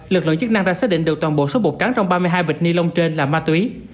lực lượng chức năng đã xác định được toàn bộ số bột cắn trong ba mươi hai bịch ni lông trên là ma túy